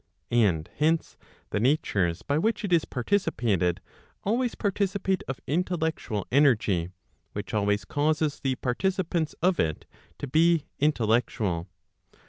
And hence, the natures by which it is participated, always participate of intellectual energy, which always causes the participants of it to be intellectual.